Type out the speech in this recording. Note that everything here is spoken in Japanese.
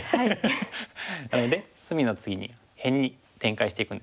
なので隅の次に辺に展開していくんですけど。